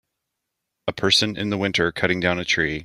A person in the winter cutting down a tree.